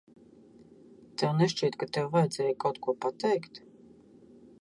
Tev nešķiet, ka tev vajadzēja kaut ko pateikt?